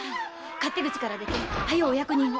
勝手口から出て早うお役人を！